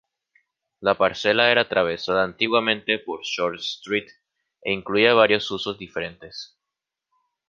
La parcela era atravesada antiguamente por Short Street e incluía varios usos diferentes.